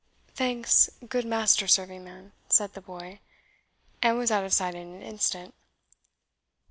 "Thanks, good Master Serving man," said the boy, and was out of sight in an instant.